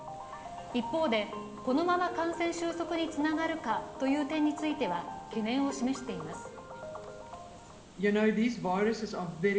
一方で、このまま感染収束につながるかという点については懸念を示しています。